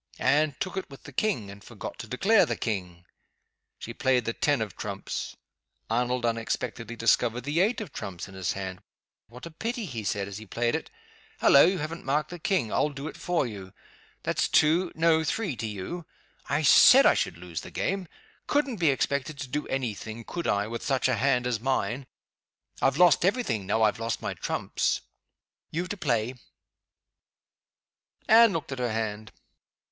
Anne took it with the King, and forgot to declare the King. She played the ten of Trumps. Arnold unexpectedly discovered the eight of Trumps in his hand. "What a pity!" he said, as he played it. "Hullo! you haven't marked the King! I'll do it for you. That's two no, three to you. I said I should lose the game. Couldn't be expected to do any thing (could I?) with such a hand as mine. I've lost every thing now I've lost my trumps. You to play." Anne looked at her hand.